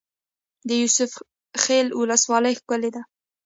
د یوسف خیل ولسوالۍ ښکلې ده